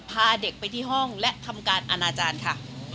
พาเด็กไปที่ห้องและทำการอนาจารย์ค่ะ